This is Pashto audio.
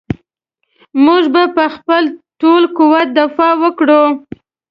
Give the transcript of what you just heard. موږ به په خپل ټول قوت دفاع وکړو.